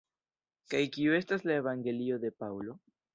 Kaj kiu estas la evangelio de Paŭlo?